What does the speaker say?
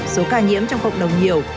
số ca nhiễm trong cộng đồng nhiều